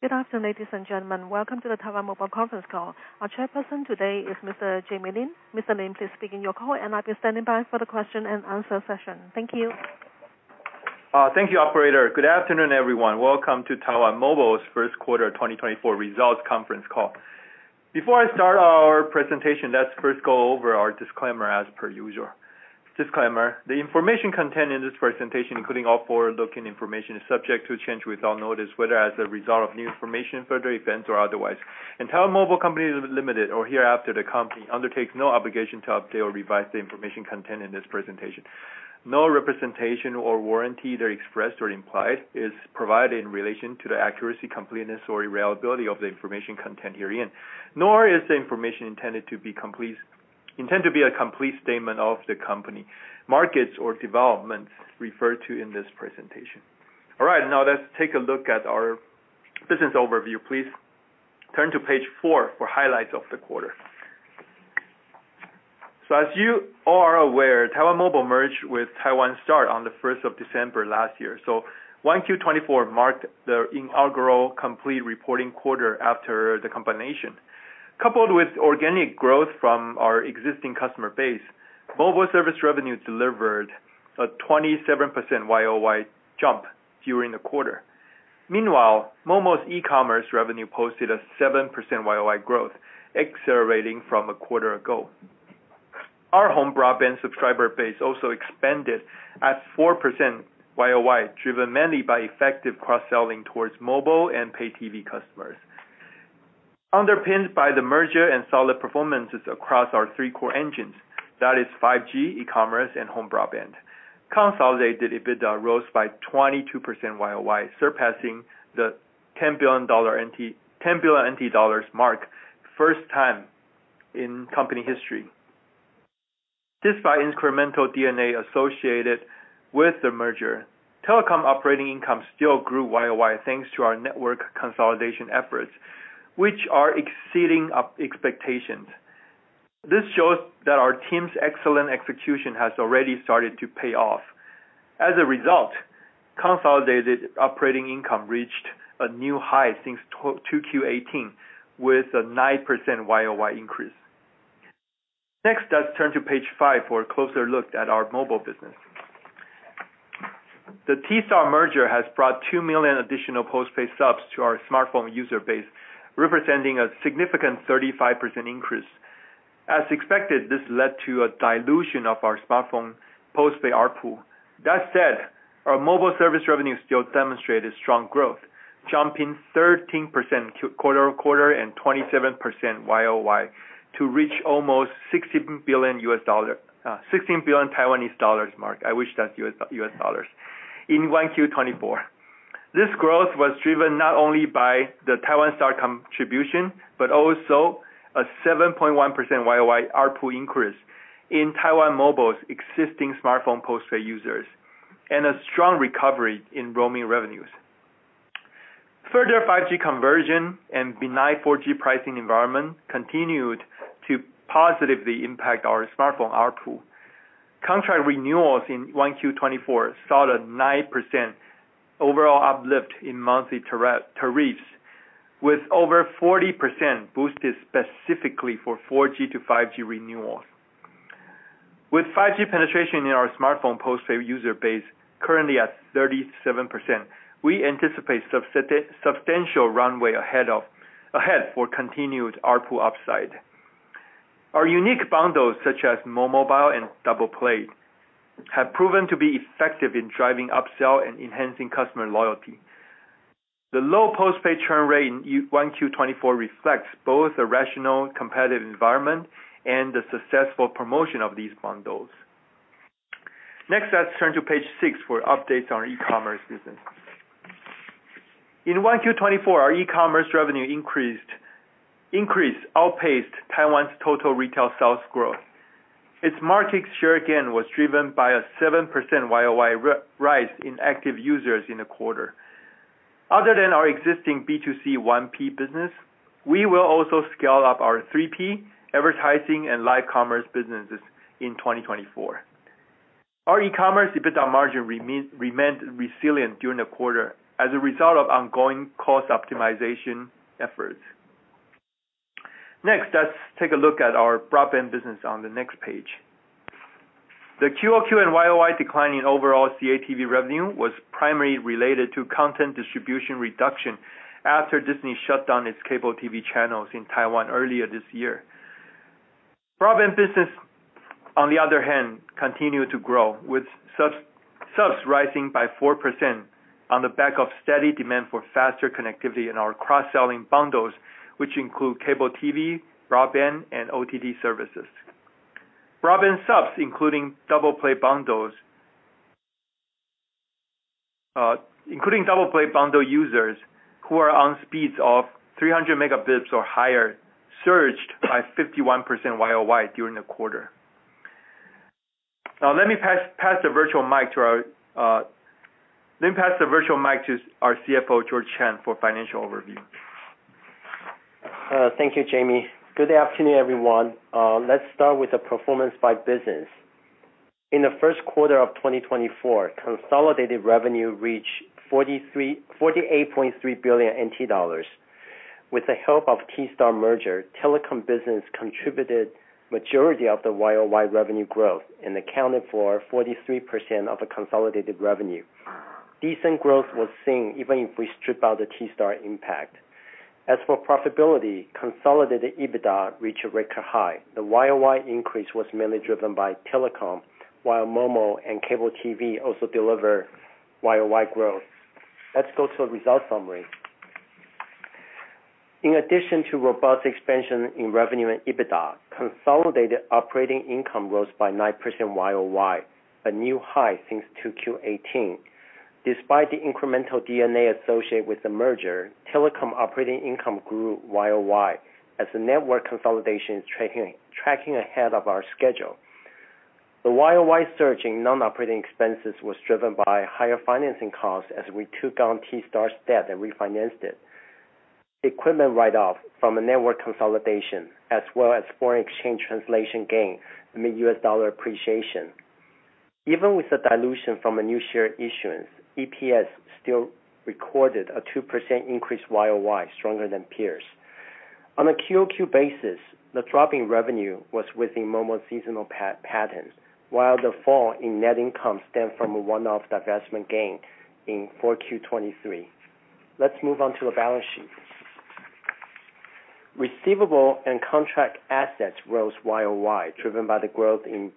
Good afternoon, ladies and gentlemen. Welcome to the Taiwan Mobile conference call. Our Chairperson today is Mr. Jamie Lin. Mr. Lin, please begin your call, and I'll be standing by for the question-and-answer session. Thank you. Thank you, operator. Good afternoon, everyone. Welcome to Taiwan Mobile's first quarter 2024 results conference call. Before I start our presentation, let's first go over our disclaimer as per usual. Disclaimer: The information contained in this presentation, including all forward-looking information, is subject to change without notice, whether as a result of new information, further events, or otherwise. Taiwan Mobile Co., Ltd., or hereafter, the company, undertakes no obligation to update or revise the information contained in this presentation. No representation or warranty there expressed or implied is provided in relation to the accuracy, completeness, or availability of the information contained herein, nor is the information intended to be complete intended to be a complete statement of the company, markets, or developments referred to in this presentation. All right. Now let's take a look at our business overview. Please turn to page four for highlights of the quarter. So as you all are aware, Taiwan Mobile merged with Taiwan Star on the 1st of December last year. 1Q 2024 marked the inaugural complete reporting quarter after the combination. Coupled with organic growth from our existing customer base, mobile service revenue delivered a 27% YoY jump during the quarter. Meanwhile, momo's e-commerce revenue posted a 7% YoY growth, accelerating from a quarter ago. Our home broadband subscriber base also expanded at 4% YoY, driven mainly by effective cross-selling towards mobile and pay-TV customers. Underpinned by the merger and solid performances across our three core engines, that is 5G, e-commerce, and home broadband, consolidated EBITDA rose by 22% YoY, surpassing the 10 billion NT mark, first time in company history. Despite incremental D&A associated with the merger, telecom operating income still grew YoY thanks to our network consolidation efforts, which are exceeding expectations. This shows that our team's excellent execution has already started to pay off. As a result, consolidated operating income reached a new high since 2Q 2018, with a 9% YoY increase. Next, let's turn to page 5 for a closer look at our mobile business. The T-Star merger has brought 2 million additional postpaid subs to our smartphone user base, representing a significant 35% increase. As expected, this led to a dilution of our smartphone postpaid ARPU. That said, our mobile service revenue still demonstrated strong growth, jumping 13% quarter-over-quarter and 27% YoY to reach almost 16 billion dollars mark. I wish that's US dollars in 1Q 2024. This growth was driven not only by the Taiwan Star contribution but also a 7.1% YoY ARPU increase in Taiwan Mobile's existing smartphone postpaid users and a strong recovery in roaming revenues. Further 5G conversion and benign 4G pricing environment continued to positively impact our smartphone ARPU. Contract renewals in 1Q 2024 saw a 9% overall uplift in monthly tariffs, with over 40% boosted specifically for 4G to 5G renewals. With 5G penetration in our smartphone postpaid user base currently at 37%, we anticipate substantial runway ahead for continued ARPU upside. Our unique bundles, such as moMobile and Double Play, have proven to be effective in driving upsell and enhancing customer loyalty. The low postpaid churn rate in 1Q 2024 reflects both a rational competitive environment and the successful promotion of these bundles. Next, let's turn to page six for updates on our e-commerce business. In 1Q 2024, our e-commerce revenue increased outpaced Taiwan's total retail sales growth. Its market share again was driven by a 7% YoY rise in active users in the quarter. Other than our existing B2C 1P business, we will also scale up our 3P advertising and live commerce businesses in 2024. Our e-commerce EBITDA margin remained resilient during the quarter as a result of ongoing cost optimization efforts. Next, let's take a look at our broadband business on the next page. The QoQ and YoY declining overall CATV revenue was primarily related to content distribution reduction after Disney shut down its cable TV channels in Taiwan earlier this year. Broadband business, on the other hand, continued to grow, with subs rising by 4% on the back of steady demand for faster connectivity in our cross-selling bundles, which include cable TV, broadband, and OTT services. Broadband subs, including Double Play bundles including Double Play bundle users who are on speeds of 300 Mbps or higher, surged by 51% YoY during the quarter. Now let me pass the virtual mic to our CFO, George Chang, for financial overview. Thank you, Jamie. Good afternoon, everyone. Let's start with the performance by business. In the first quarter of 2024, consolidated revenue reached 48.3 billion NT dollars. With the help of T-Star merger, telecom business contributed the majority of the YoY revenue growth and accounted for 43% of the consolidated revenue. Decent growth was seen even if we strip out the T-Star impact. As for profitability, consolidated EBITDA reached a record high. The YoY increase was mainly driven by telecom, while Momo and cable TV also delivered YoY growth. Let's go to the results summary. In addition to robust expansion in revenue and EBITDA, consolidated operating income rose by 9% YoY, a new high since 2Q 2018. Despite the incremental D&A associated with the merger, telecom operating income grew YoY as the network consolidation is tracking ahead of our schedule. The YoY surge in non-operating expenses was driven by higher financing costs as we took on T-Star's debt and refinanced it. Equipment write-off from network consolidation, as well as foreign exchange translation gain, meant U.S. dollar appreciation. Even with the dilution from a new share issuance, EPS still recorded a 2% increase YoY, stronger than peers. On a QoQ basis, the drop in revenue was within Momo's seasonal pattern, while the fall in net income stemmed from a one-off divestment gain in 4Q 2023. Let's move on to the balance sheet. Receivables and contract assets rose YoY, driven by the growth in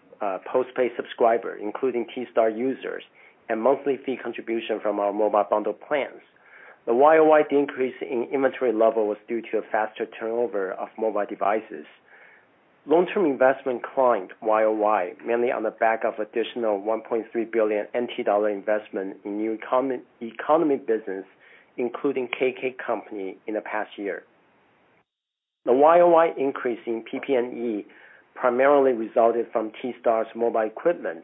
postpaid subscribers, including T-Star users, and monthly fee contribution from our mobile bundle plans. The YoY decrease in inventory level was due to a faster turnover of mobile devices. Long-term investment climbed YoY, mainly on the back of additional 1.3 billion NT dollar investment in new economy business, including KKCompany, in the past year. The YoY increase in PP&E primarily resulted from T-Star's mobile equipment.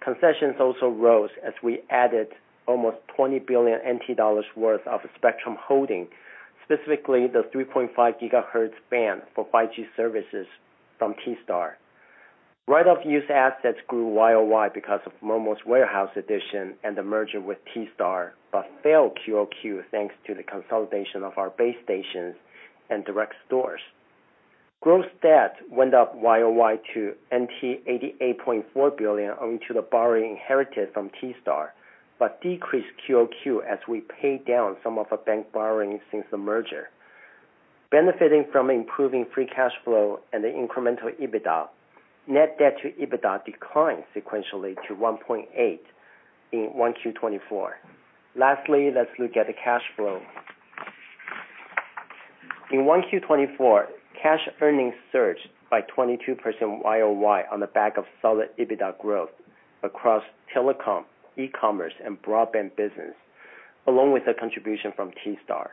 Concessions also rose as we added almost 20 billion NT dollars worth of spectrum holding, specifically the 3.5 GHz band for 5G services from T-Star. Right-of-use assets grew YoY because of momo's warehouse addition and the merger with T-Star, but fell QoQ thanks to the consolidation of our base stations and direct stores. Gross debt went up YoY to 88.4 billion owing to the borrowing inherited from T-Star, but decreased QoQ as we paid down some of the bank borrowing since the merger. Benefiting from improving free cash flow and the incremental EBITDA, net debt to EBITDA declined sequentially to 1.8 in 1Q 2024. Lastly, let's look at the cash flow. In 1Q 2024, cash earnings surged by 22% YoY on the back of solid EBITDA growth across telecom, e-commerce, and broadband business, along with the contribution from T-Star.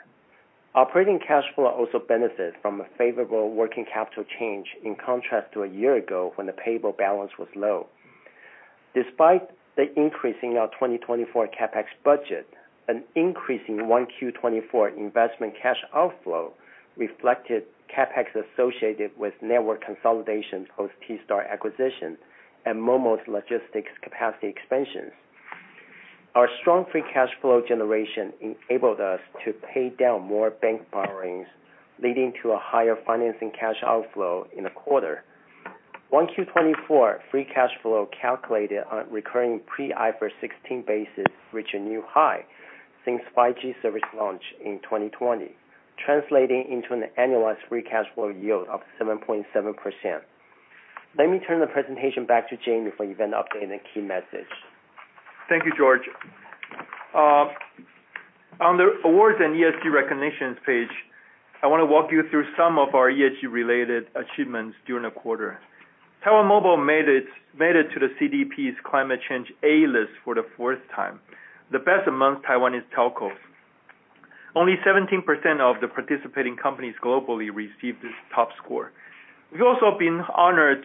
Operating cash flow also benefited from a favorable working capital change in contrast to a year ago when the payable balance was low. Despite the increase in our 2024 CapEx budget, an increase in 1Q 2024 investment cash outflow reflected CapEx associated with network consolidation post-T-Star acquisition and momo's logistics capacity expansions. Our strong free cash flow generation enabled us to pay down more bank borrowings, leading to a higher financing cash outflow in the quarter. 1Q 2024 free cash flow calculated on recurring pre-IFRS 16 basis reached a new high since 5G service launch in 2020, translating into an annualized free cash flow yield of 7.7%. Let me turn the presentation back to Jamie for event update and key message. Thank you, George. On the awards and ESG recognitions page, I want to walk you through some of our ESG-related achievements during the quarter. Taiwan Mobile made it to the CDP's Climate Change A-list for the fourth time, the best among Taiwanese telcos. Only 17% of the participating companies globally received this top score. We've also been honored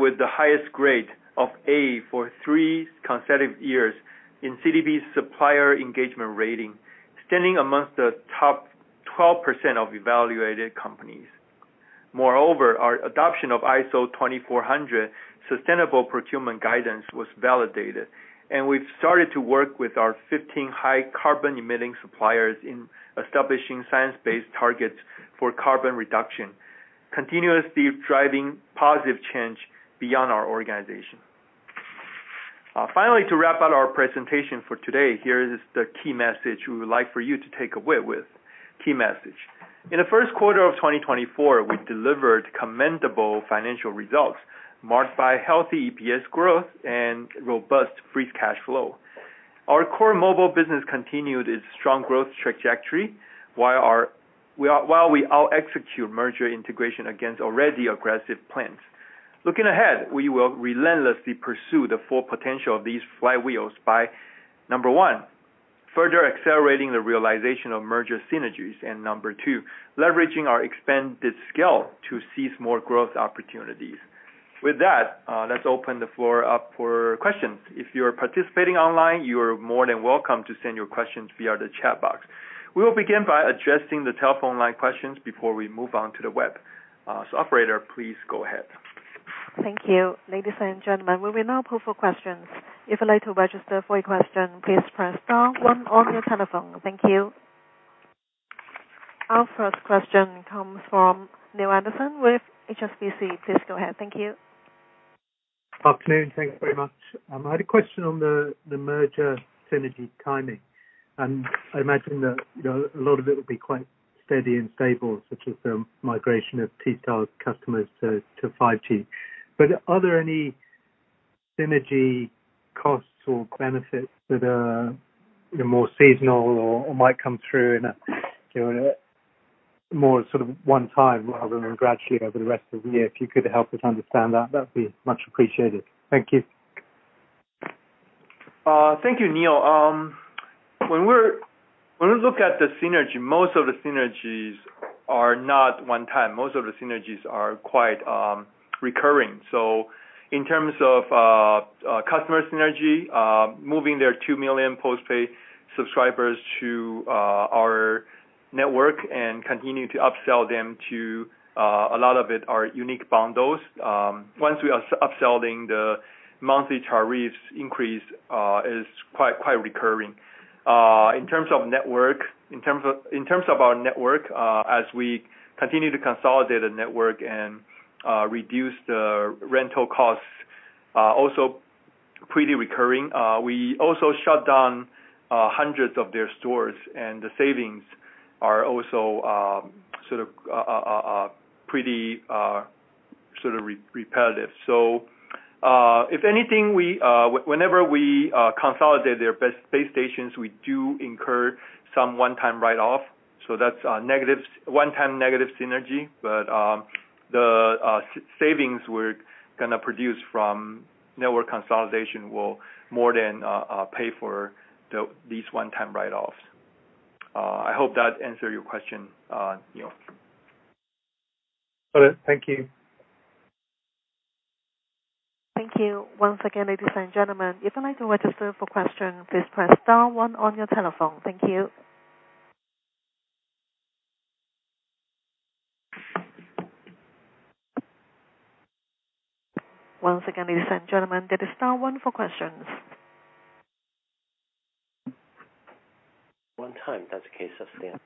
with the highest grade of A for three consecutive years in CDP's Supplier Engagement Rating, standing amongst the top 12% of evaluated companies. Moreover, our adoption of ISO 20400 Sustainable Procurement Guidance was validated, and we've started to work with our 15 high-carbon emitting suppliers in establishing science-based targets for carbon reduction, continuously driving positive change beyond our organization. Finally, to wrap up our presentation for today, here is the key message we would like for you to take away with. Key message. In the first quarter of 2024, we delivered commendable financial results marked by healthy EPS growth and robust free cash flow. Our core mobile business continued its strong growth trajectory while we out-executed merger integration against already aggressive plans. Looking ahead, we will relentlessly pursue the full potential of these flywheels by, number one, further accelerating the realization of merger synergies, and number two, leveraging our expanded scale to seize more growth opportunities. With that, let's open the floor up for questions. If you are participating online, you are more than welcome to send your questions via the chat box. We will begin by addressing the telephone line questions before we move on to the web. So, operator, please go ahead. Thank you, ladies and gentlemen. We will now open for questions. If you'd like to register for a question, please press star one on your telephone. Thank you. Our first question comes from Neale Anderson with HSBC. Please go ahead. Thank you. Afternoon. Thanks very much. I had a question on the merger synergy timing. I imagine that a lot of it will be quite steady and stable, such as the migration of T-Star's customers to 5G. Are there any synergy costs or benefits that are more seasonal or might come through in a more sort of one-time rather than gradually over the rest of the year? If you could help us understand that, that'd be much appreciated. Thank you. Thank you, Neale. When we look at the synergy, most of the synergies are not one-time. Most of the synergies are quite recurring. So in terms of customer synergy, moving their 2 million postpaid subscribers to our network and continuing to upsell them to a lot of it are unique bundles. Once we are upselling, the monthly tariffs increase is quite recurring. In terms of network in terms of our network, as we continue to consolidate the network and reduce the rental costs, also pretty recurring. We also shut down hundreds of their stores, and the savings are also sort of pretty sort of repetitive. So if anything, whenever we consolidate their base stations, we do incur some one-time write-off. So that's one-time negative synergy, but the savings we're going to produce from network consolidation will more than pay for these one-time write-offs. I hope that answered your question, Neale. Got it. Thank you. Thank you. Once again, ladies and gentlemen, if you'd like to register for questions, please press star one on your telephone. Thank you. Once again, ladies and gentlemen, press the star one for questions? One time. That's the case of Stan.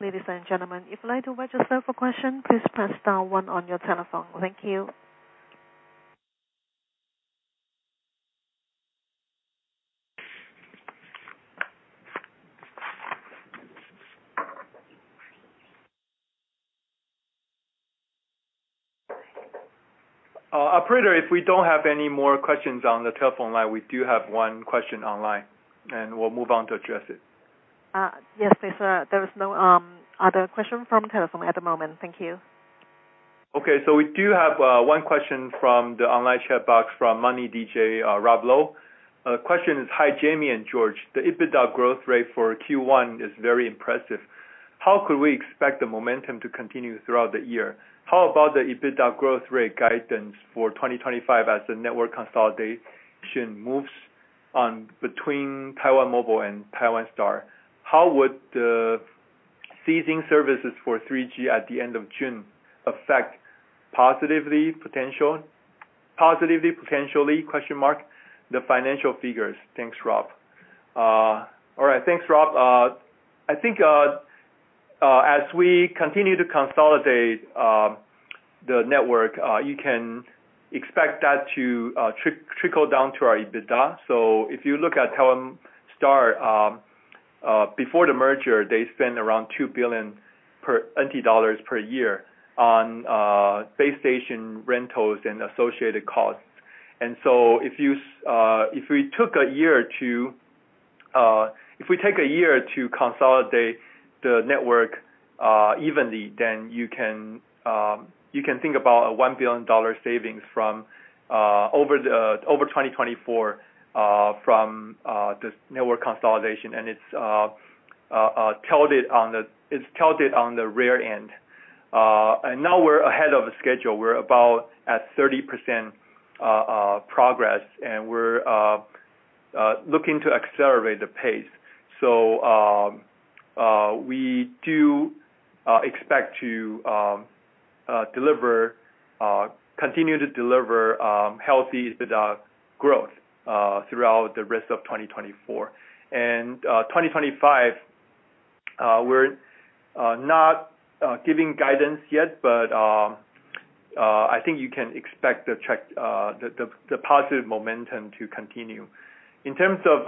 Ladies and gentlemen, if you'd like to register for questions, please press star one on your telephone. Thank you. Operator, if we don't have any more questions on the telephone line, we do have one question online, and we'll move on to address it. Yes, please. There is no other question from telephone at the moment. Thank you. Okay. So we do have one question from the online chat box from Rob Lo. The question is, "Hi, Jamie and George. The EBITDA growth rate for Q1 is very impressive. How could we expect the momentum to continue throughout the year? How about the EBITDA growth rate guidance for 2025 as the network consolidation moves between Taiwan Mobile and Taiwan Star? How would the ceasing services for 3G at the end of June affect positively potentially the financial figures?" Thanks, Rob. All right. Thanks, Rob. I think as we continue to consolidate the network, you can expect that to trickle down to our EBITDA. So if you look at Taiwan Star, before the merger, they spent around 2 billion NT dollars per year on base station rentals and associated costs. And so if we took a year to if we take a year to consolidate the network evenly, then you can think about a $1 billion savings over 2024 from the network consolidation. And it's tilted on the it's tilted on the rear end. And now we're ahead of the schedule. We're about at 30% progress, and we're looking to accelerate the pace. So we do expect to continue to deliver healthy EBITDA growth throughout the rest of 2024. And 2025, we're not giving guidance yet, but I think you can expect the positive momentum to continue. In terms of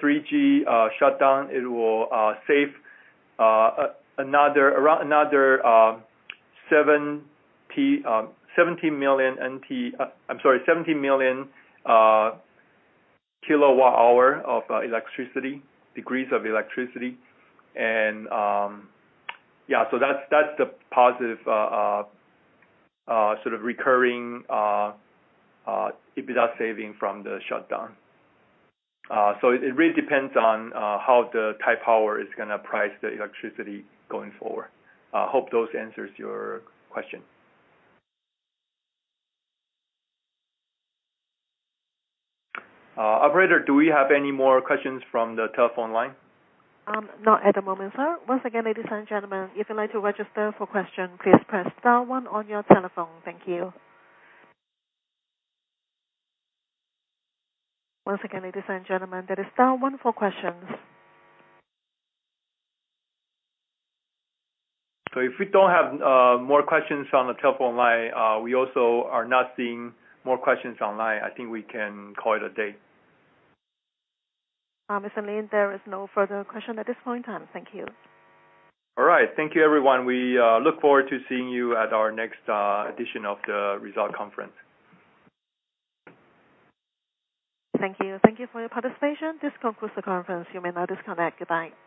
3G shutdown, it will save around another 17 million kWh of electricity. And yeah, so that's the positive sort of recurring EBITDA saving from the shutdown. So it really depends on how Taipower is going to price the electricity going forward. Hope that answers your question. Operator, do we have any more questions from the telephone line? Not at the moment, sir. Once again, ladies and gentlemen, if you'd like to register for questions, please press star one on your telephone. Thank you. Once again, ladies and gentlemen, there is star one for questions. So if we don't have more questions on the telephone line, we also are not seeing more questions online. I think we can call it a day. Mr. Lin, there is no further question at this point in time. Thank you. All right. Thank you, everyone. We look forward to seeing you at our next edition of the results conference. Thank you. Thank you for your participation. This concludes the conference. You may now disconnect. Goodbye.